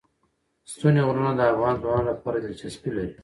ستوني غرونه د افغان ځوانانو لپاره دلچسپي لري.